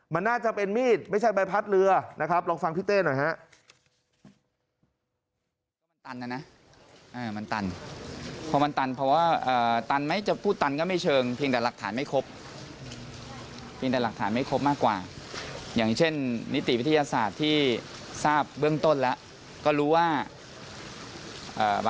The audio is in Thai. มันน่าจะเป็นมีดไม่ใช่ใบพัดเรือนะครับลองฟังพี่เต้หน่อยฮะ